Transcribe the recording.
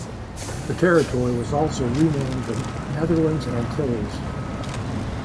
The territory was also renamed "Netherlands Antilles".